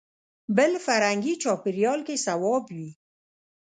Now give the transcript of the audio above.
بل فرهنګي چاپېریال کې صواب وي.